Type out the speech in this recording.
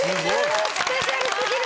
スペシャル過ぎる！